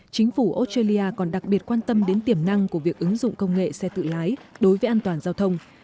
chính phủ australia còn đặc biệt quan tâm đến tiềm năng của việc ứng dụng công nghệ xe tự lái đối với an toàn giao thông